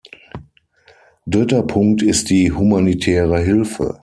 Dritter Punkt ist die humanitäre Hilfe.